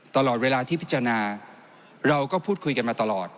ตลอดเวลาที่พิจารณาเราก็พูดคุยกันมาตลอด